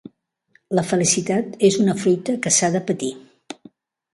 La felicitat és una fruita que s'ha de patir